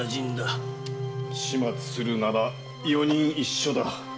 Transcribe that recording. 始末するなら四人一緒だ。